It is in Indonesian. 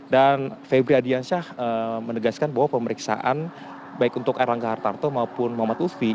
dan febri adiansyah menegaskan bahwa pemeriksaan baik untuk erlangga hartarto maupun muhammad lufi